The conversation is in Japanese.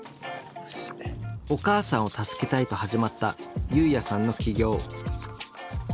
お母さんを助けたいと始まった侑弥さんの起業。